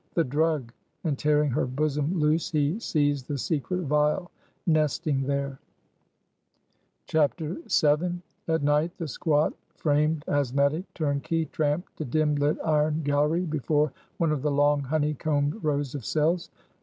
The drug!" and tearing her bosom loose, he seized the secret vial nesting there. VII. At night the squat framed, asthmatic turnkey tramped the dim lit iron gallery before one of the long honey combed rows of cells.